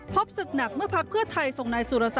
พบศึกหนักเมื่อพักเพื่อไทย